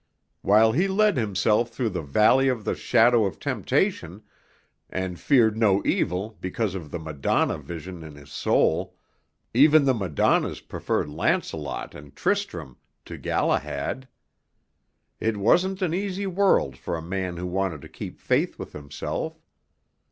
While he led himself through the valley of the shadow of temptation, and feared no evil because of the Madonna vision in his soul, even the Madonnas preferred Lancelot and Tristram to Galahad. It wasn't an easy world for a man who wanted to keep faith with himself.